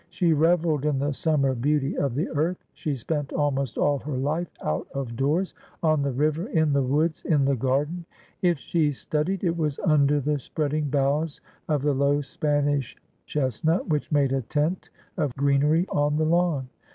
She revelled in the sum mer beauty of the earth ; she spent almost all her life out of doors, on the river, in the woods, in the garden. If she studied, it was under the spreading boughs of the low Spanish chestnut which made a tent of greenery on the lawn.